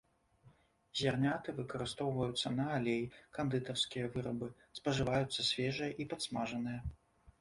Зярняты выкарыстоўваюцца на алей, кандытарскія вырабы, спажываюцца свежыя і падсмажаныя.